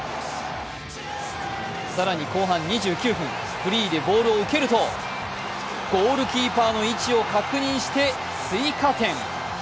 更に後半２９分、フリーでボールを受けるとゴールキーパーの位置を確認して追加点。